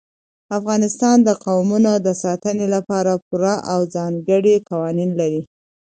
افغانستان د قومونه د ساتنې لپاره پوره او ځانګړي قوانین لري.